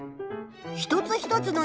一つ一つのえい